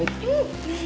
sampai jumpa megan